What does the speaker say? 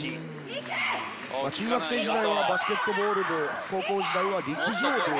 中学生時代はバスケットボール部高校時代は陸上部。